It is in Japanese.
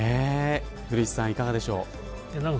古市さん、いかがでしょう。